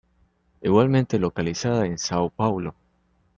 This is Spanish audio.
Igualmente localizada en São Paulo.